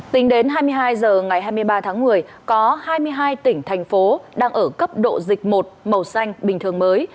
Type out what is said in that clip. tính đến hai mươi hai h ngày hai mươi ba tháng một mươi có hai mươi hai tỉnh thành phố đang ở cấp độ dịch một màu xanh bình thường mới